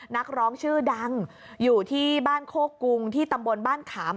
นักร้องชื่อดังอยู่ที่บ้านโคกรุงที่ตำบลบ้านขาม